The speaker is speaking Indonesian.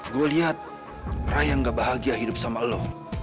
gua liat raya gak bahagia hidup sama lo